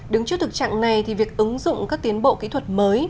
đứng trước thực trạng này thì việc ứng dụng các tiến bộ kỹ thuật mới